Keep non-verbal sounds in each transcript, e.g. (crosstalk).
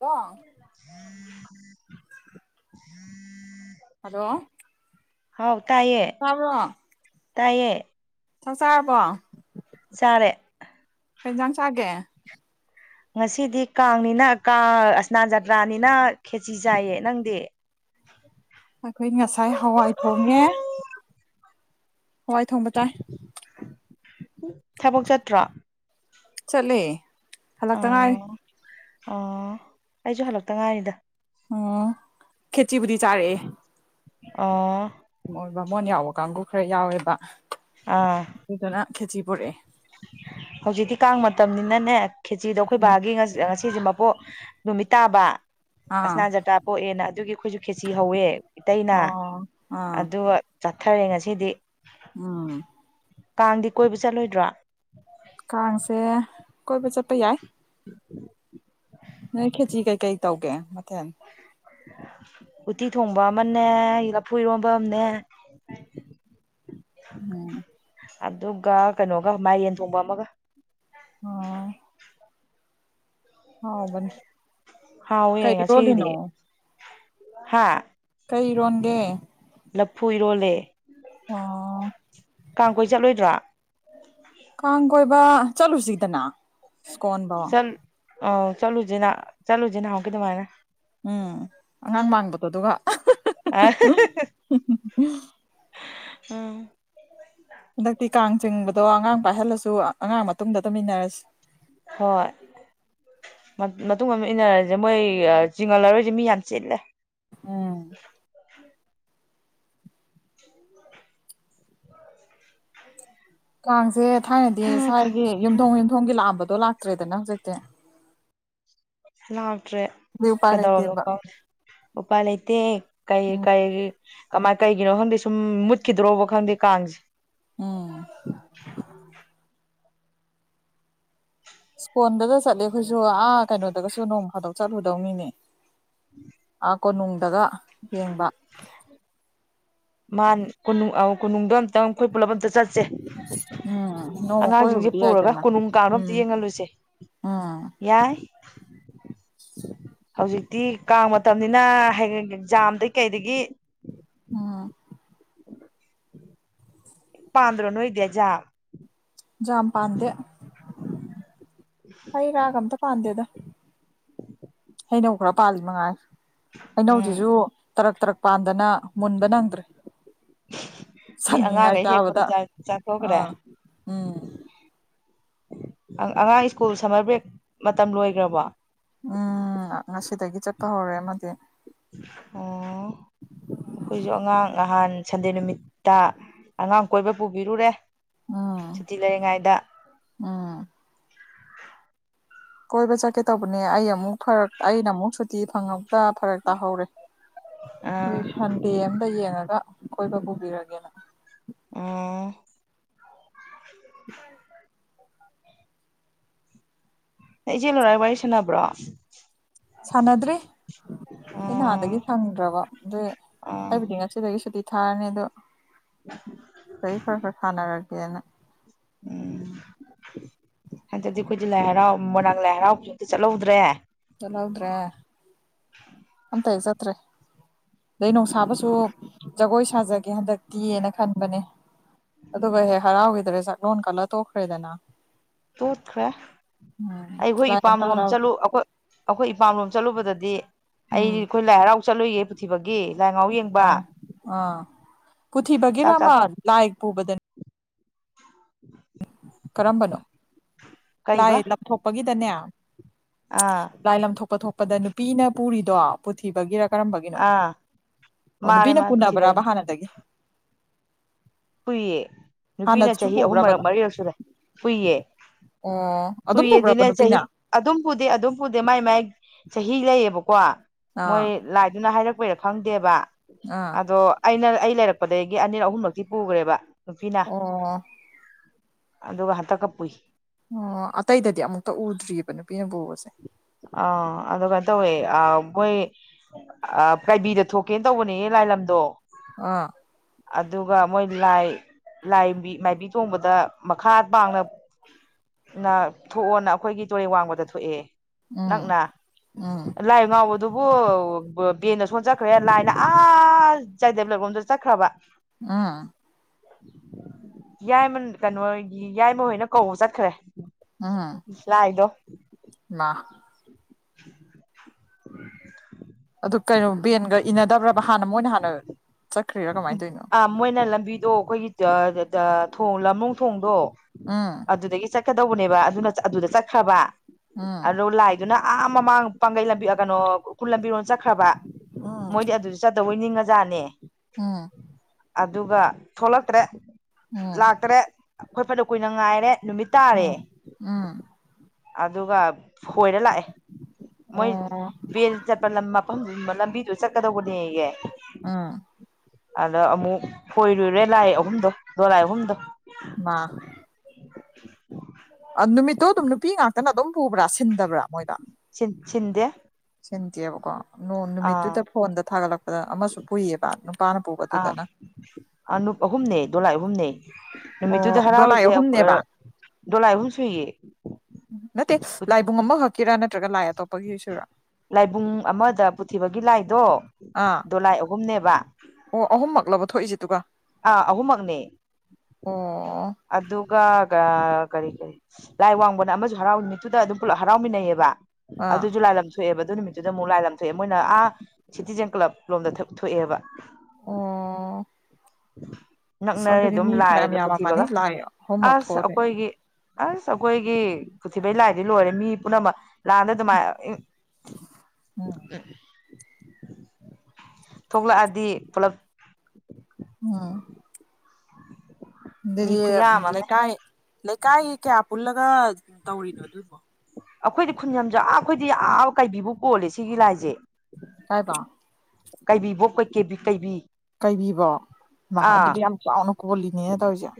ꯑ (inaudible) ꯍꯗꯣ ꯍꯥꯎ ꯀꯃ ꯇꯌꯦ ꯆꯥꯛ ꯆꯥꯔꯕꯣ ꯆꯔꯦ ꯍꯦꯟꯖꯥꯡ ꯆꯥꯒꯦ ꯉꯁꯤꯗꯤ ꯀꯥꯡꯅꯤꯅ ꯀꯥꯡ ꯑꯁꯅꯥ ꯖꯇ꯭ꯔꯥꯅꯤꯅ ꯈꯦꯆꯤ ꯆꯥꯏꯌꯦ ꯅꯪꯗꯤ (unintelligible) ꯑꯩꯈꯣꯏ ꯉꯁꯥꯏ ꯍꯋꯥꯏ ꯊꯣꯡꯉꯦ ꯍꯋꯥꯏ ꯊꯣꯡꯕ ꯇꯥꯏ ꯊꯕꯣꯛ ꯆꯇ꯭ꯔꯥ ꯆꯠꯂ ꯍꯟꯗꯛꯇ ꯉꯥꯏ ꯑ ꯑꯩꯁꯨ ꯍꯜꯂꯛꯇ ꯉꯥꯏꯔꯤꯗ ꯑꯣ ꯈꯦꯆꯤꯕꯨꯗꯤ ꯆꯥꯔꯛꯑꯦ ꯑꯣ ꯣꯏ ꯕꯥꯃꯣꯟ ꯌꯥꯎꯕ ꯀꯥꯡꯕꯨ ꯈꯔ ꯌꯥꯎꯋꯦꯕ ꯑꯥ ꯈꯦꯖꯤꯤ ꯄꯔꯦ ꯍꯧꯖꯤꯛꯇꯤ ꯀꯥꯡ ꯃꯇꯝꯅꯤꯅꯅꯦ ꯈꯦꯆꯤꯗꯣ ꯑꯩꯈꯣꯏ ꯎꯝ ꯕꯥꯒꯤ ꯉꯁꯤꯁꯦ ꯅꯨꯃꯤꯠ ꯇꯥꯕ ꯑꯥ ꯑꯁꯅꯥꯟ ꯖꯇꯥ ꯄꯣꯛꯑꯦꯅ ꯑꯗꯨꯒꯤ ꯑꯩꯈꯣꯏꯁꯨ ꯈꯦꯆ ꯍꯧꯋꯦ ꯏꯇꯩꯅ ꯑꯣ ꯑꯗꯨꯒ ꯆꯠꯊꯔꯦ ꯉꯁꯤꯗꯤ ꯑꯥ ꯀꯥꯡꯗꯤ ꯀꯣꯏꯕ ꯆꯠꯂꯣꯏꯗ꯭ꯔꯥ ꯀꯥꯡꯁꯦ ꯀꯣꯏꯕ ꯆꯠꯄ ꯌꯥꯏ ꯅꯣꯏ ꯈꯦꯇꯤ ꯀꯩꯀꯩ ꯇꯧꯒꯦ ꯃꯊꯦꯜ ꯎꯠꯇꯤ ꯊꯣꯡꯕ ꯑꯃꯅꯦ ꯂꯐꯨ ꯏꯔꯣꯝꯕ ꯑꯃꯅꯦ ꯎꯝ ꯑꯗꯨꯒ ꯀꯩꯅꯣꯒ ꯃꯥꯏ ꯌꯦꯟ ꯊꯣꯡꯕ ꯑꯃꯒ ꯑꯣ ꯍꯥꯎꯕꯅꯤ ꯍꯥꯎ ꯑꯣꯏ ꯀꯩ ꯉ ꯁꯤꯗꯤ ꯏꯔꯣꯜꯂꯤꯅꯣ ꯍꯥ ꯀꯩꯔꯣꯟꯒꯦ ꯂꯐꯨ ꯏꯔꯣꯜꯂꯦ ꯑꯥ ꯀꯥꯡ ꯀꯣꯏ ꯆꯠꯂꯣꯏꯗ꯭ꯔꯥ ꯀꯥꯡ ꯀꯣꯏꯕ ꯆꯠꯂꯨꯁꯤꯗꯅ ꯁ꯭ꯀꯣꯟꯐꯧ ꯠ ꯑ ꯆꯠꯂꯨꯁꯤꯍ ꯆꯠꯂꯨꯁꯤꯦ ꯅꯍꯥꯟꯒꯤ ꯑꯗꯨꯃꯥꯏꯅ ꯎꯝ ꯑꯉꯥꯡ ꯃꯥꯡꯕꯗꯣꯗꯨꯒ ꯑ ꯎꯝ ꯍꯟꯗꯛꯇꯤ ꯀꯥꯡ ꯆꯤꯡꯕꯗꯣ ꯑꯉꯥꯡ ꯄꯥꯏꯍꯜꯂꯁꯨ ꯑꯉꯥꯡ ꯃꯇꯨꯡꯗ ꯇꯝꯃꯤꯟꯅꯔꯁꯤ ꯍꯣꯏ ꯃꯇꯨꯡ ꯑꯃ ꯏꯟꯅꯔꯁꯦ ꯃꯣꯏ ꯆꯤꯡꯍꯜꯂꯔꯣꯏꯁꯦ ꯃꯤ ꯌꯥꯝ ꯆꯤꯠꯂꯦ ꯎꯝ ꯀꯥꯡꯁꯦ ꯊꯥꯏꯅꯗꯤ ꯁ꯭ꯋꯥꯏꯒꯤ ꯌꯨꯝꯊꯣꯡ ꯌꯨꯝꯊꯣꯡꯒꯤ ꯂꯥꯛꯑꯝꯕꯗ ꯇꯣ ꯂꯥꯛꯇ꯭ꯔꯦ ꯏ ꯅ ꯍꯧꯖꯛꯇ ꯂꯥꯛꯇ꯭ꯔꯦ ꯎꯄꯥꯏ ꯀꯗꯧꯔꯅꯣ ꯂꯩꯇꯦꯕ ꯀꯥꯎ ꯎꯄꯥ ꯂꯩꯩꯇ ꯀꯩ ꯎꯝ ꯀꯩ ꯀꯃꯥꯏ ꯀꯩꯒꯤꯅꯣ ꯈꯪꯗꯦ ꯁꯨꯝ ꯃꯨꯠꯈꯤꯗ꯭ꯔꯣꯕ ꯈꯪꯗꯦ ꯀꯥꯡꯁꯦ (unintelligible) ꯎꯝ ꯁ꯭ꯀꯣꯟꯗ ꯆꯠꯂꯦ ꯑꯩꯈꯣꯏꯁꯨ ꯑꯥ ꯀꯩꯅꯣꯗꯒꯁꯨ ꯅꯣꯡ ꯐꯥꯗꯣꯛ ꯆꯠꯂꯨꯗꯧꯅꯤꯅꯦ ꯎ ꯑꯥ ꯀꯣꯅꯨꯡꯗꯒ ꯌꯦꯡꯕ ꯃꯥꯥꯟ ꯀꯣꯅꯨꯡ ꯀꯣꯅꯨꯡꯗꯣ ꯑꯝꯇꯪ ꯑꯩꯈꯣꯏ ꯄꯨꯂꯞ ꯑꯝꯇ ꯆꯠꯁꯤ ꯁꯦ ꯎꯝ ꯅꯣꯡꯃ ꯑꯉꯥꯡꯁꯤꯡꯁꯦ ꯀꯣꯏꯔꯨꯕꯗꯤ ꯄꯨꯔꯒ ꯌꯥꯏꯗꯅ ꯀꯣꯅꯨꯡ ꯀꯥꯡꯣ ꯑꯝꯇ ꯎꯝ ꯌꯦꯡꯍꯜꯂꯨꯁꯦ ꯎꯝ ꯌꯥꯏ ꯍꯧꯖꯤꯛꯇꯤ ꯀꯥꯡ ꯃꯇꯝꯅꯤꯅ ꯍꯡ ꯑꯦꯛꯖꯥꯝꯗꯒꯤꯩ ꯀꯩꯗꯒꯤ ꯎꯝ ꯄꯥꯟꯗ꯭ꯔꯣꯅ ꯑꯣꯏꯗꯌꯥꯖ ꯀꯌꯥꯝ ꯄꯥꯟꯗꯦ ꯑꯩ ꯔꯥ ꯀ ꯑꯃꯗ ꯄꯗꯦꯗ ꯍꯩꯅꯧ ꯈꯔ ꯄꯥꯜꯂꯤ ꯃꯉꯥꯏ ꯎꯝ ꯍꯩꯅꯧꯁꯤꯁꯨ ꯇꯔꯛ ꯇꯔꯛ ꯄꯥꯟꯗꯅ ꯃꯨꯟꯕ ꯅꯗ꯭ꯔꯦ ꯃꯤ ꯑꯉꯥꯡꯈꯩ ꯍꯦꯛꯄꯗ ꯆꯥꯊꯣꯛꯈ꯭ꯔꯦ ꯑꯥ ꯎꯝ ꯑꯉꯥꯡ ꯁ꯭ꯀꯨꯜ ꯁꯝꯃꯔ ꯕ꯭ꯔꯦꯛ ꯃꯇꯝ ꯂꯣꯏꯈ꯭ꯔꯕꯣ ꯎꯝ ꯉꯁꯤꯗꯒꯤ ꯆꯠꯄ ꯍꯧꯔꯦ ꯑꯃꯗꯤ ꯑꯣ ꯑꯩꯈꯣꯏꯁꯨ ꯑꯉꯥꯡ ꯅꯍꯥꯟ ꯁꯟꯗꯦ ꯅꯨꯃꯤꯠꯇ ꯑꯉꯥꯡ ꯀꯣꯏꯕ ꯄꯨꯕꯤꯔꯨꯔꯦ ꯎꯝ ꯁꯨꯇꯤ ꯂꯩꯔꯤꯉꯩꯗ ꯎꯝ ꯀꯣꯏꯕ ꯆꯠꯀꯦ ꯇꯧꯕꯅꯦ ꯑꯩ ꯑꯃꯨꯛ ꯐꯔꯛ ꯑꯩꯅ ꯑꯃꯨꯛ ꯁꯨꯇꯤ ꯐꯪꯉꯛꯇ ꯐꯔꯛ ꯇꯥꯍꯧꯔꯦ ꯑꯥ ꯁꯟꯗꯦ ꯑꯃꯝꯗ ꯌꯦꯡꯉꯒ ꯀꯣꯏꯕ ꯄꯨꯕꯤꯔꯒꯦꯅ ꯎꯝ ꯏꯆꯦ ꯂꯔꯥꯏꯒ ꯋꯥꯔꯤ ꯁꯥꯟꯅꯕ꯭ꯔꯣ ꯁꯅꯗ꯭ꯔꯤ ꯑꯩ ꯅꯍꯥꯟꯗꯒꯤ ꯁꯪꯗ꯭ꯔꯕ ꯑ ꯑꯥ ꯍꯥꯏꯕꯗꯤ ꯉꯁꯤꯗꯒꯤ ꯁꯨꯇꯤ ꯊꯥꯔꯅꯤꯗꯣ ꯆꯍꯤ ꯈꯔ ꯈꯔ ꯁꯥꯟꯅꯔꯒꯦꯅ ꯎꯝ ꯍꯟꯗꯗꯤ ꯑꯩꯈꯣꯏꯗꯤ ꯂꯥꯏ ꯍꯔꯥꯎ ꯃꯣꯏꯔꯥꯡ ꯂꯥꯏ ꯍꯔꯥꯎꯕꯗꯨꯗꯤ ꯆꯠꯍꯧꯗ꯭ꯔꯦ ꯆꯂꯥꯎꯗ꯭ꯔꯦ ꯑꯇ ꯑꯦꯖꯇꯦ ꯑꯗꯩ ꯅꯨꯡꯁꯥꯕꯁꯨ ꯖꯒꯣꯏ ꯁꯥꯖꯒꯦ ꯍꯟꯗꯛ ꯇꯤꯌꯦꯅ ꯈꯟꯕꯅꯦ ꯑꯗꯨꯒ ꯍꯦꯛ ꯍꯔꯥꯎꯈꯤꯗ꯭ꯔꯦ ꯆꯥꯛꯂꯣꯟ ꯀꯜꯂ ꯇꯣꯛꯈ꯭ꯔꯦꯗꯅ ꯇꯣꯛꯠꯈ꯭ꯔꯦ ꯑꯩꯈꯣꯏ ꯂꯥꯏ ꯏꯄꯥꯝ ꯑꯝꯇ ꯂꯣꯝ ꯍꯔꯥꯎꯗ꯭ꯔꯦ ꯆꯠꯂꯨ ꯑꯩꯣꯏ ꯑꯩꯈꯣꯏ ꯏꯄꯥꯝꯂꯣꯝ ꯆꯠꯂꯨꯕꯗꯗꯤ ꯑꯩꯗꯤ ꯑꯩꯈꯣꯏ ꯂꯥꯏ ꯍꯔꯥꯎ ꯆꯠꯂꯨꯒꯦ ꯄꯨꯊꯤꯕꯒ ꯑ ꯑꯥ ꯆꯥꯛ ꯆꯥ ꯄꯨꯊꯤꯕꯒꯤꯔꯃ ꯂꯥꯏ ꯄꯨꯕꯗꯅꯤ ꯀꯔꯝꯕꯅꯣ ꯂꯥꯏ ꯀꯩꯕ ꯂꯊꯣꯛꯄꯒꯤꯗꯅꯦ ꯑꯥ ꯂꯥꯏ ꯂꯪꯊꯣꯛꯄ ꯊꯣꯛꯄꯗ ꯅꯨꯄꯤꯅ ꯄꯨꯔꯤꯗꯣ ꯄꯨꯊꯤꯕꯒꯤꯔ ꯀꯔꯝꯕꯒꯤꯅꯣ ꯑꯥ ꯑꯣ ꯃꯥꯅꯦ ꯅꯨꯄꯤꯅ ꯃꯥꯅꯦ ꯄꯨꯅꯕ꯭ꯔꯥꯕ ꯄꯨꯊꯤꯕꯩꯅꯦ ꯍꯥꯟꯅꯗꯒꯤ ꯀꯨꯏꯌꯦ ꯅꯨꯄꯤꯅ ꯍꯥꯟꯅꯁꯨ ꯆꯍꯤ ꯑꯍꯨꯝ ꯄꯨꯕ꯭ꯔꯕ ꯃꯔꯛ ꯑꯗꯨꯝ ꯃꯔꯤꯔꯛꯁꯨꯨꯔꯦ ꯀꯨꯏꯌꯦ ꯑꯣ ꯑꯗꯨꯝ ꯄꯨꯕ꯭ꯔꯕ ꯄꯨꯏꯌꯦꯗꯤꯅꯦ ꯆꯍꯤ ꯅꯨꯄꯤꯅ ꯑꯗꯨꯝ ꯄꯨꯗꯦ ꯑꯗꯨꯝ ꯄꯨꯗꯦ ꯃꯥꯏ ꯃꯥꯏ ꯆꯍꯤ ꯂꯩꯌꯦꯕꯀꯣ ꯃꯣꯏ ꯑꯥ ꯂꯥꯏꯗꯨꯅ ꯍꯥꯏꯔꯛꯄꯩꯔꯥ ꯈꯪꯗꯦꯕ ꯑꯥ ꯑꯗꯣ ꯑꯩꯅ ꯑꯩ ꯂꯩꯔꯛꯄꯗꯒꯤ ꯑꯅꯤꯔ ꯑꯍꯨꯝꯃꯛꯇꯤ ꯄꯨꯈ꯭ꯔꯦꯕ ꯅꯨꯄꯤꯅ ꯑꯣ ꯑꯗꯨꯒ ꯍꯇ ꯀꯞ ꯄꯨꯨꯏ ꯑꯣ ꯑꯇꯩꯗꯗꯤ ꯑꯃꯨꯛꯇ ꯎꯗ꯭ꯔꯤꯑꯕ ꯅꯨꯄꯤꯅ ꯄꯨꯕꯁꯦ ꯑ ꯑꯗꯒ ꯇꯋ ꯑꯕꯣꯏ ꯑ ꯀꯥꯏꯕꯤꯗ ꯊꯣꯛꯀꯦꯅ ꯇꯧꯕꯅꯦ ꯂꯥꯏꯂꯝꯗꯣ ꯑ ꯑꯗꯨꯒ ꯃꯣꯏ ꯂꯥꯏ ꯂꯥꯏ ꯃꯥꯏꯕꯤ ꯊꯣꯡꯕꯗ ꯃꯈꯥ ꯄꯥꯡꯅ ꯅ ꯊꯣꯛꯑꯣꯅ ꯑꯩꯈꯣꯏꯒꯤ ꯇꯨꯔꯦ ꯋꯥꯡꯕꯗ ꯊꯣꯛꯑꯦ ꯑꯝ ꯅꯛꯅ ꯎꯝ ꯂꯥꯏ ꯉꯥꯎꯕꯗꯨꯕꯨ ꯕꯦꯟꯗ ꯁꯣꯟ ꯆꯈ꯭ꯔꯦ ꯂꯥꯏꯅ ꯑ ꯆꯥꯏꯗꯦꯕꯂꯛꯂꯣꯝꯗ ꯆꯠꯈ꯭ꯔꯕ ꯑꯥ ꯌꯥꯏꯃꯟ ꯀꯩꯅꯣꯒꯤ ꯌꯥꯏꯃ ꯍꯣꯏꯅ ꯀꯧꯕ ꯆꯠꯈ꯭ꯔꯦ ꯁꯂ ꯍꯥꯏꯗꯣ ꯂꯥꯛ (unintelligible) (inaudible) ꯑꯗꯨ ꯀꯩꯅꯣ ꯕꯦꯟꯒ ꯏꯅꯗꯕ꯭ꯔꯕ ꯍꯥꯟꯅ ꯃꯣꯏꯅ ꯍꯥꯟꯅ ꯆꯠꯈ꯭ꯔꯤꯔꯥ ꯀꯃꯥꯏꯅ ꯇ ꯑꯥ ꯃꯣꯏꯅ ꯂꯝꯕꯤꯗꯣ ꯑꯩꯈꯣꯏꯒꯤ ꯊꯣꯡ ꯂꯝꯃꯨꯡ ꯊꯣꯡꯗꯣ ꯎꯝ ꯑꯗꯨꯗꯒꯤ ꯆꯠꯀꯗꯧꯕꯅꯦꯕ ꯑꯗꯨꯅ ꯑꯗꯨꯗ ꯆꯠꯈ꯭ꯔꯕ ꯎꯝ ꯑꯗꯣ ꯂꯥꯏ ꯑꯗꯨꯅ ꯑꯥ ꯃꯃꯥꯡ ꯄꯥꯡꯒꯩ ꯂꯝꯕꯤ ꯀꯩꯅꯣ ꯁ꯭ꯀꯨꯜ ꯂꯝꯕꯤꯔꯣ ꯆꯠꯈ꯭ꯔꯕ ꯃꯣꯏꯗꯤ ꯑꯗꯨꯗꯤ ꯆꯠꯇꯧꯕꯩ ꯅꯤꯡꯉꯖꯥꯠꯅꯦ ꯑ ꯑꯗꯨꯒ ꯊꯣꯛꯂꯛꯇ꯭ꯔꯦ ꯎꯝ ꯂꯥꯛꯇ꯭ꯔꯦ ꯑꯩꯈꯣꯏꯄꯅ ꯀꯨꯏꯅ ꯉꯥꯏꯔꯦ ꯅꯨꯃꯤꯠ ꯇꯥꯔꯦ ꯑꯥ ꯎꯝ ꯑꯗꯨꯒ ꯍꯣꯏꯔ ꯂꯥꯛꯑꯦ ꯃꯣꯏ ꯑꯣ ꯕꯦꯜ ꯆꯠꯄ ꯂꯝ ꯃꯐꯝ ꯂꯝꯕꯤꯗꯨꯣ ꯆꯠꯀꯗꯧꯕꯅꯦꯍ ꯑꯥ ꯑꯗ ꯑꯃꯨꯛ ꯈꯣꯏꯔꯨꯔꯦ ꯂꯥꯏ ꯑꯍꯨꯝꯗꯣ ꯗꯣꯂꯥꯏ ꯑꯍꯨꯝꯗ ꯋꯥ ꯅꯨꯃꯤꯠꯇꯣ ꯑꯗꯨꯝ ꯅꯨꯄꯤ ꯉꯥꯛꯇꯅ ꯑꯗꯨꯝ ꯄꯨꯕ꯭ꯔꯥ ꯁꯤꯟꯗꯕ꯭ꯔꯥ ꯃꯣꯏꯗ ꯁꯤꯟꯗꯦ ꯁꯤꯟꯗꯦꯕꯀꯣ ꯑꯥ ꯅꯨꯃꯤꯠꯇꯨꯗ ꯐꯣꯟꯗ ꯊꯥꯒꯠꯂꯛꯄꯗ ꯑꯃꯁꯨ ꯄꯨꯏꯌꯦꯕ ꯅꯨꯄꯥꯅ ꯄꯨꯕꯗꯨꯗꯅ ꯑꯅꯍꯨꯝꯅꯦ ꯑꯣ ꯅꯨꯃꯤꯠꯇꯨꯗ ꯗꯣꯂꯥꯏ ꯍꯔꯥꯎꯔꯤꯁꯦ ꯑꯍꯨꯝꯅꯦꯕ ꯗꯣꯂꯥꯏ ꯑꯍꯨꯝ ꯁꯨꯏꯌꯦ ꯎ ꯅꯠꯇꯦ ꯂꯥꯏꯕꯨꯡ ꯑꯃꯈꯛꯀꯤꯔꯥ ꯅꯠꯇ꯭ꯔꯒ ꯂꯥꯏ ꯑꯇꯣꯞꯄꯒꯤ ꯁꯔꯥ ꯂꯥꯏꯕꯨꯡ ꯑꯃꯗ ꯄꯨꯊꯤꯕꯒꯤ ꯂꯥꯏꯗꯣ ꯑꯥ ꯗꯣꯂꯥꯏ ꯑꯍꯨꯝꯅꯦꯕ ꯑꯣ ꯑꯍꯨꯝꯃꯛꯛꯂꯕ ꯊꯣꯛꯏꯁꯤꯦꯗꯨꯒ ꯑꯥ ꯑꯍꯨꯝꯃꯛꯅꯦ ꯑꯣ ꯑꯗꯨꯒ ꯀꯔꯤ ꯀꯔꯤ ꯂꯥꯏ ꯋꯥꯡꯕꯅ ꯑꯃꯁꯨ ꯍꯔꯥꯎꯃꯤꯠꯇꯨꯗ ꯑꯗꯨꯝ ꯄꯨꯂꯞ ꯍꯔꯥꯎꯃꯤꯟꯅꯩꯌꯦꯕ ꯑꯥ ꯑꯗꯨꯁꯨ ꯂꯥꯏꯂꯝ ꯊꯣꯛꯑꯦꯕ ꯑꯗꯨ ꯅꯨꯃꯤꯠꯇꯨꯗ ꯑꯃꯨꯛ ꯂꯥꯏ ꯂ ꯊꯣꯛꯑꯦ ꯃꯣꯏꯅ ꯑꯥ ꯁꯤꯇꯤꯖꯦꯟ ꯀ꯭ꯂꯕ ꯂꯣꯝꯗ ꯊꯣꯛꯑꯦꯕ ꯑꯣ ꯑꯁ ꯅꯛꯅꯔꯦ ꯑꯗꯨꯗꯤ ꯑꯗꯨꯝ ꯃꯤ ꯂꯥꯛꯑꯦ ꯐꯅꯌꯥꯝ ꯌꯥꯝꯃ ꯃꯥꯅꯤ ꯄꯨꯊꯤꯕꯒ ꯂꯥꯏ ꯑꯍꯨꯝꯃꯛ ꯑꯁ ꯊꯣꯛꯑꯗꯤ ꯑꯩꯈꯣꯏꯒꯤ ꯑꯁ ꯑꯩꯈꯣꯏꯒꯤ ꯈꯨꯊꯤꯕꯩ ꯂꯥꯏꯗꯤ ꯂꯣꯏꯔꯦ ꯃꯤ ꯄꯨꯝꯅꯃꯛ ꯂꯥꯟꯗ ꯑꯗꯨꯃꯥꯏ ꯎꯝ ꯊꯣꯛꯂꯛꯑꯗꯤ ꯄꯨꯂꯞ ꯑꯥ ꯃꯤ ꯗꯨꯗꯤ ꯈꯨꯌꯥꯝ ꯑꯃꯅꯦ ꯂꯩꯀꯥꯏ ꯂꯩꯀꯥꯏꯒꯤ ꯀꯌꯥ ꯄꯨꯜꯂꯒ ꯇꯧꯔꯤꯅꯣ ꯑꯗꯨꯕꯣ ꯑꯩꯈꯣꯏꯗꯤ ꯈꯨꯟꯖꯥ ꯑꯩꯈꯣꯏꯗꯤ ꯑꯥ ꯀꯩꯕꯤꯕꯛ ꯀꯣꯜꯂꯦ ꯁꯤꯒꯤ ꯂꯥꯏꯁꯦ ꯀꯥꯏꯐꯧ ꯀꯩꯕꯤꯕꯣꯛ ꯀꯩ ꯀꯦꯕꯤ ꯀꯩꯕꯤ ꯀꯩꯕꯤꯕꯣꯛ ꯍꯩꯃꯥ ꯑꯥ ꯑꯗꯨꯗꯤ ꯌꯥꯝ ꯆꯥꯎꯅ ꯀꯣꯜꯂꯤꯅ‌ꯦꯅ ꯇꯧꯔꯤꯁꯦ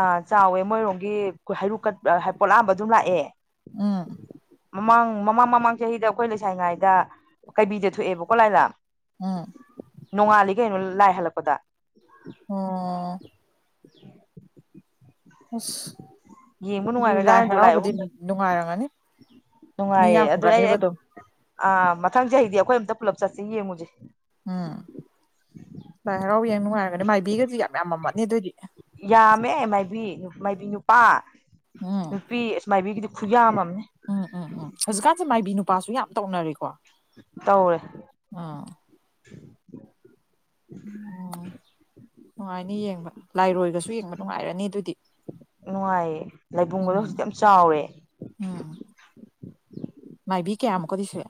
ꯑ ꯆꯥꯎꯋꯦ ꯃꯣꯏꯔꯣꯝꯒꯤ ꯍꯩꯔꯨꯛ ꯀꯠꯄ ꯄꯣꯠꯂꯥꯟꯕ ꯑꯗꯨꯝ ꯂꯥꯛꯑꯦ ꯎꯝ ꯃꯃꯥꯡ ꯃꯃꯥꯡ ꯃꯃꯥꯡ ꯆꯍꯤꯗ ꯑꯩꯈꯣꯏ ꯂꯩꯁꯥꯔꯤꯉꯥꯏꯗ ꯀꯩꯕꯤꯗ ꯊꯣꯛꯑꯦꯕꯀꯣ ꯂꯥꯏ ꯂꯝ ꯎꯝ ꯅꯣꯡꯉꯥꯜꯂꯤ ꯀꯩꯅꯣ ꯂꯥꯏ ꯍꯜꯂꯛꯄꯗ ꯑꯣ (unintelligible) (inaudible) ꯑꯁ ꯌꯦꯡꯕ ꯂꯥꯏ ꯅꯨꯡꯉꯥꯏꯒ꯭ꯔꯖꯥꯠꯅꯤ ꯗꯣꯂꯥꯏ ꯍꯔꯥꯎꯕꯗꯤ ꯑꯍꯨꯝꯗ ꯅꯨꯡꯉꯥꯏꯔꯝꯒꯅꯤ ꯃꯤ ꯅꯨꯡꯉꯥꯏꯌꯦ ꯑꯗꯨꯅ ꯑꯩ ꯌꯥꯝꯃꯝꯒꯅꯦꯕ ꯑꯗꯨꯝ ꯑꯥ ꯃꯊꯪ ꯆꯍꯤꯗꯤ ꯑꯩꯈꯣꯏ ꯑꯝꯇ ꯄꯨꯂꯞ ꯆꯠꯁꯤ ꯌꯦꯡꯉꯨꯁꯦ ꯎꯝ ꯂꯥꯏ ꯍꯔꯥꯎ ꯌꯦꯡ ꯅꯨꯡꯉꯥꯏꯔꯒꯅꯦ ꯃꯥꯏꯕꯤꯒꯁꯨ ꯌꯥꯝ ꯌꯥꯝꯃꯝꯃꯅꯤ ꯑꯗꯨꯏꯗꯤ ꯌꯥꯝꯃꯦ ꯃꯥꯏꯕꯤ ꯃꯥꯏꯕꯤ ꯅꯨꯄꯥ ꯎꯝ ꯅꯨꯄꯤ ꯑꯁ ꯃꯥꯏꯕꯤꯒꯤꯗꯤ ꯈꯨꯌꯥꯝ ꯑꯝꯅꯦ ꯎꯝ ꯎꯝ ꯎꯝ ꯍꯧꯖꯤꯛꯀꯥꯟꯁꯦ ꯃꯥꯏꯕꯤ ꯅꯨꯄꯥꯁꯨ ꯌꯥꯝ ꯇꯧꯅꯔꯤꯀꯣ ꯇꯧꯋꯦ ꯎꯝ ꯅꯨꯡꯉꯥꯏꯅꯤ ꯌꯦꯡꯕ ꯂꯥꯏꯔꯣꯏꯒꯁꯨ ꯌꯦꯡꯕ ꯅꯨꯡꯉꯥꯏꯔꯅꯤ ꯑꯗꯨꯗꯤ ꯅꯨꯡꯉꯥꯏꯌꯦ ꯂꯥꯏꯕꯨꯡꯒꯗꯣ ꯎꯝ ꯍꯧꯖꯤꯛꯇꯤ ꯌꯥꯝ ꯆꯥꯎꯔꯦ ꯎꯝ ꯃꯥꯏꯕꯤ ꯀꯌꯥꯃꯨꯛꯀꯗꯤ ꯁꯨꯏ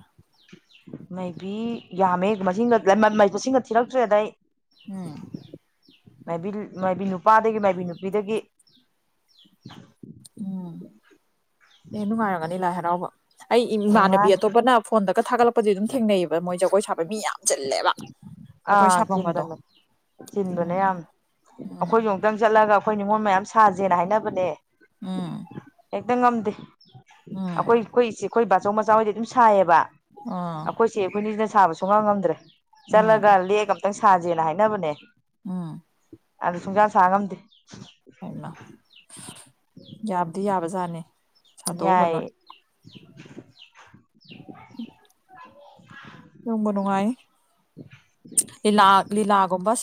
ꯃꯩꯕꯤ ꯌꯥꯝꯃꯦ ꯃꯁꯤꯡꯒ ꯃꯁꯤꯡꯒ ꯊꯤꯔꯛꯇ꯭ꯔꯦꯗ ꯑꯩ ꯎꯝ ꯃꯥꯏꯕꯤ ꯃꯥꯏꯕꯤ ꯅꯨꯄꯥꯗꯒꯤ ꯃꯥꯏꯕꯤ ꯅꯨꯄꯤꯗꯒꯤ ꯎꯝ ꯑꯦ ꯅꯨꯡꯉꯥꯏꯔꯝꯒꯅꯤ ꯂꯥꯏ ꯍꯔꯥꯎꯕ ꯑꯩ ꯏꯃꯥꯟꯅꯕꯤ ꯅꯨꯡꯉꯥꯏ ꯑꯇꯣꯞꯄꯅ ꯐꯣꯟꯗꯒ ꯊꯥꯒꯠꯂꯛꯄꯗꯤ ꯑꯗꯨꯝ ꯊꯦꯡꯅꯩꯌꯦꯕ ꯃꯣꯏ ꯖꯒ ꯁꯥꯕ ꯃꯤ ꯌꯥꯝ ꯆꯤꯜꯂꯦꯕ ꯖꯥꯒꯣꯏ ꯑꯥ ꯁꯥꯐꯝꯒꯗꯣ ꯆꯤꯟꯕꯅꯦ ꯆꯤꯟꯕꯅꯦ ꯎꯝ ꯌꯥꯝ ꯎꯝ ꯑꯩꯈꯣꯏꯁꯨ ꯑꯃꯨꯛꯇꯪ ꯆꯠꯂꯒ ꯑꯩꯈꯣꯏ ꯅꯤꯉꯣꯜ ꯃꯌꯥꯝ ꯁꯥꯁꯦꯅ ꯍꯥꯏꯅꯕꯅꯦ ꯎꯝ ꯍꯦꯛꯇ ꯉꯝꯗꯦ ꯑꯩꯈꯣꯏ ꯎꯝ ꯑꯩꯈꯣꯏ ꯏꯆꯦ ꯑꯩꯈꯣꯏ ꯕꯥꯆꯧ ꯃꯆꯥꯍꯣꯏꯗꯤ ꯑꯗꯨꯝ ꯁꯥꯏꯌꯦꯕ ꯑꯥ ꯑꯩꯈꯣꯏ ꯆꯦ ꯑꯩꯈꯣꯏꯅꯤꯁꯤꯅ ꯁꯥꯕꯁꯨ ꯁꯨꯡꯉꯝ ꯉꯝꯗ꯭ꯔꯦ ꯆꯠꯂꯒ ꯎꯝ ꯂꯦꯛꯑꯒ ꯈꯤꯇꯪ ꯁꯥꯖꯦꯅ ꯍꯥꯏꯅꯕꯅꯦ ꯎꯝ ꯑꯗꯨ ꯁꯨꯡꯁꯥ ꯁꯥ ꯉꯝꯗꯦ ꯍꯥꯏꯃ ꯌꯥꯕꯗꯤ ꯌꯥꯕꯖꯥꯠꯅꯤ ꯁꯥꯗꯣꯛꯎꯕ ꯌꯥꯏ ꯅꯣꯏ ꯎꯝ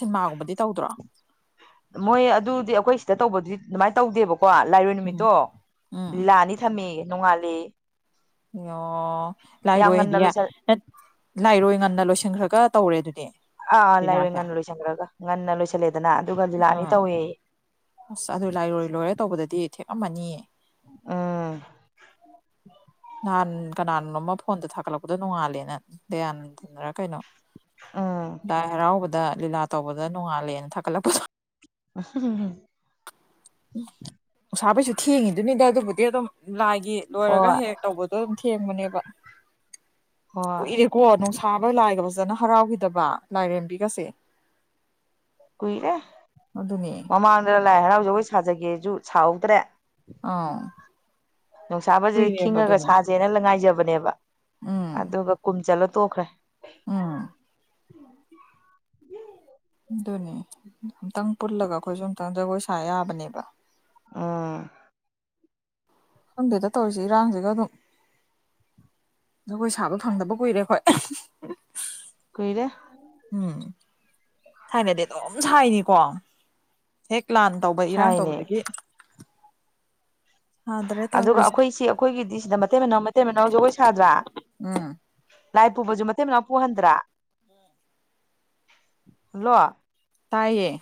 ꯁꯤꯟꯃꯥꯒꯨꯝꯕꯗꯤ ꯇꯧꯗ꯭ꯔꯣ ꯃꯣꯏ ꯑꯗꯨꯗꯤ ꯑꯩꯈꯣꯏ ꯁꯤꯗ ꯇꯧꯕꯗꯨꯗꯤ ꯑꯗꯨꯃꯥꯏꯅ ꯇꯧꯗꯦꯕ ꯀꯣ ꯂꯥꯏꯔꯣꯏ ꯎꯝ ꯅꯨꯃꯤꯠꯇꯣ ꯎꯝ ꯂꯤꯂꯥ ꯑꯅꯤ ꯊꯝꯃ‌ꯦꯌ‌ꯦ ꯅꯣꯡꯉꯥꯜꯂ‌ꯦꯌ‌ꯦ ꯑꯣ ꯂꯥꯏꯔꯣꯏ ꯉꯟꯅ ꯍꯥꯏꯗꯤ ꯂꯣꯏꯁꯜ ꯂꯥꯏꯔꯣꯏ ꯉꯟꯅ ꯂꯣꯏꯁꯤꯟꯈ꯭ꯔꯒ ꯇꯧꯔꯦ ꯑꯗꯨꯗꯤ ꯑ ꯂꯥꯏꯔ‌ꯣꯏ ꯂꯤꯂꯥꯁꯦ ꯉꯟꯅ ꯂ‌ꯣꯏꯁꯤꯟꯈꯔꯒ ꯉꯟꯅ ꯂ‌ꯣꯏꯁꯤꯜꯂꯦ ꯎꯝ ꯑꯁ ꯑꯗꯨ ꯂꯥꯏꯔꯣꯏ ꯂꯣꯏꯔꯦ ꯇꯧꯕꯗꯨꯗꯤ ꯊꯦꯛꯉꯝꯃꯅꯤꯌꯦ ꯎꯝ ꯅꯍꯥꯟ ꯀꯅꯥꯅꯣꯃ ꯐꯣꯟꯗ ꯊꯥꯒꯠꯂꯛꯄꯗꯣ ꯅꯣꯡꯉꯥꯜꯂꯦꯅ ꯗꯌꯥꯅꯟꯗ ꯅꯔ ꯀꯩꯅꯣ ꯎꯝ ꯂꯥꯏ ꯍꯔꯥꯎꯕꯗ ꯂꯤꯂꯥ ꯇꯧꯕꯗ ꯅꯣꯡꯉꯥꯜꯂꯦꯅ ꯊꯥꯒꯠꯂꯛꯄꯗꯣ (unintelligible) ꯎ ꯎꯁꯥ ꯄꯩꯁꯨ ꯊꯦꯡꯉꯤꯗꯨꯅꯤꯗ ꯑꯗꯨꯕꯨꯗꯤ ꯑꯗꯨꯝ ꯂꯥꯏꯒꯤ ꯂꯣꯏꯔꯒ ꯍꯣꯏ ꯍꯦꯛ ꯇꯧꯕꯗꯣ ꯊꯦꯡꯕꯅꯦꯕ ꯍꯣꯏ ꯀꯨꯏꯔꯦꯀꯣ ꯅꯨꯡꯁꯥꯕ ꯂꯥꯏꯒꯕꯁ ꯐꯖꯅ ꯍꯔꯥꯎꯈꯤꯗꯕ ꯂꯥꯏꯔꯦꯝꯕꯤꯒꯁꯦ ꯀꯨꯏꯔꯦ ꯑꯗꯨꯅꯦ ꯃꯃꯥꯡꯗ ꯂꯥꯏ ꯍꯔꯥꯎꯖꯒꯣꯏ ꯁꯥꯖꯒꯦꯁꯨ ꯁꯥꯍꯧꯗ꯭ꯔꯦ ꯑꯥ ꯅꯨꯡꯁꯥꯕꯁ ꯀꯨꯏꯔꯦꯕ ꯈꯤꯡꯉꯒ ꯑꯗꯨꯅꯦ ꯁꯥꯁꯦꯅ ꯂ ꯉꯥꯏꯖꯕꯅꯦꯕ ꯑꯗꯨꯒ ꯀꯨꯝ ꯆꯠꯂ ꯇꯣꯛꯈ꯭ꯔꯦ ꯑꯥ ꯎꯝ ꯑꯗꯨꯅꯤ ꯑꯝꯛꯇꯪ ꯄꯨꯜꯂꯒ ꯑꯩꯈꯣꯏꯁꯨ ꯑꯝꯛꯇꯪ ꯖꯒꯣꯏ ꯁꯥ ꯌꯥꯕꯅꯦꯕ ꯑ ꯈꯪꯗꯦꯗ ꯇꯧꯔꯤꯁꯤ ꯏꯔꯥꯡꯁꯤꯒ ꯑꯗꯨꯝ ꯖꯒꯣꯏ ꯁꯥꯕ ꯐꯪꯗꯕ ꯀꯨꯏꯔꯦ ꯑꯩꯈꯣꯏ ꯀꯣꯏꯔꯦ ꯎꯝ ꯊꯥꯏꯅꯗꯤ ꯑꯗꯨꯝ ꯁꯥꯏꯅꯤꯀꯣ ꯍꯦꯛ ꯄ꯭ꯂꯥꯟ ꯇꯧꯕ ꯏꯔꯥꯡ ꯁꯥꯏꯅꯦ ꯇꯧꯕꯗꯒꯤ ꯁꯥꯗ꯭ꯔꯦ ꯑꯗꯨꯒ ꯇꯧꯔꯤꯁꯦ ꯑꯩꯈꯣꯏ ꯁꯤ ꯑꯩꯈꯣꯏꯒꯤꯗꯤ ꯁꯤꯗ ꯃꯇꯩ ꯃꯅꯥꯎ ꯃꯇꯩ ꯃꯅꯥꯎ ꯖꯒꯣꯏ ꯁꯥꯗ꯭ꯔꯥ ꯎꯝ ꯂꯥꯏ ꯄꯨꯕꯁꯨ ꯃꯇꯦꯛ ꯃꯅꯥꯎ ꯄꯨꯍꯟꯗ꯭ꯔꯥ ꯍꯜꯂꯣ ꯇꯥꯏꯌꯦ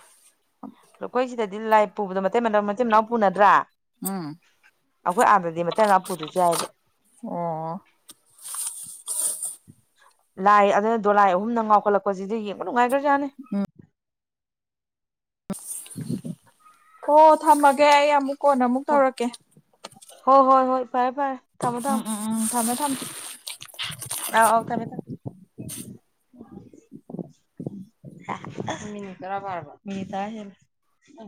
ꯑꯩꯈꯣꯏ ꯁꯤꯗꯗꯤ ꯂꯥꯏ ꯄꯨꯕꯗꯣ ꯃꯇꯅꯥ ꯃꯆꯤꯟ ꯃꯅꯥꯎ ꯄꯨꯅꯗ꯭ꯔꯥ ꯎꯝ ꯑꯩꯈꯣꯏ ꯑꯥꯗꯗꯤ ꯃ ꯃꯅꯥꯄꯨꯁꯨ ꯆꯥꯏꯕ ꯑꯣ (inaudible) ꯂꯥꯏ ꯑꯗꯨꯅ ꯗꯣꯂꯥꯏ ꯑꯍꯨꯝ ꯅꯪ ꯉꯥꯎꯈꯠꯂꯛꯄꯁꯤꯗ ꯌꯦꯡꯕ ꯅꯨꯡꯉꯥꯏꯈ꯭ꯔꯖꯥꯠꯅꯤ ꯑ ꯑꯣ ꯊꯝꯃꯒꯦ ꯑꯩ ꯑꯃꯨꯛ ꯀꯣꯟꯅ ꯑꯃꯨꯛ ꯇꯧꯔꯛꯀꯦ ꯍꯣꯏ ꯍꯣꯏ ꯍꯣꯏ ꯐꯔꯦ ꯐꯔꯦ ꯊꯃꯗꯝ ꯎꯝ ꯎꯝ ꯎꯝ ꯊꯝꯃꯦ ꯊꯝꯃꯦ ꯑ ꯀ ꯃꯤ ꯇꯔꯔ ꯃꯤꯅꯤ ꯇ ꯍ